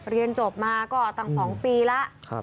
เรียนจบมาก็ตั้ง๒ปีแล้ว